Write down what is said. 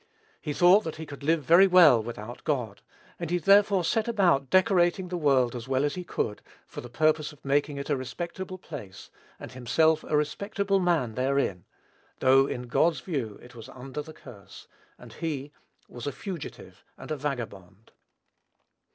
He thought he could live very well without God, and he therefore set about decorating the world as well as he could, for the purpose of making it a respectable place, and himself a respectable man therein, though in God's view it was under the curse, and he was a fugitive and a vagabond.